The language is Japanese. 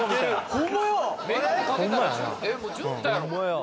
ホンマやな